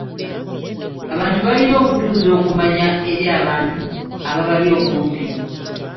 Abantu balina okutuusa okumanya eri abantu ababali okumpi.